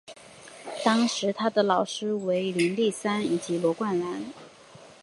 当时他的老师为林立三以及罗冠兰。